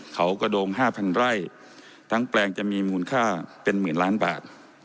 เขากระโดง๕๐๐ไร่ทั้งแปลงจะมีมูลค่าเป็นหมื่นล้านบาท